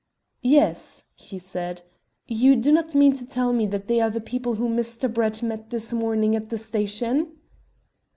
"Yes," he said. "You do not mean to tell me that they are the people whom Mr. Brett met this morning at the station?"